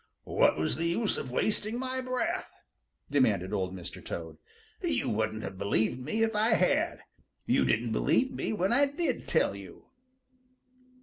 "What was the use of wasting my breath?" demanded Old Mr. Toad. "You wouldn't have believed me if I had. You didn't believe me when I did tell you."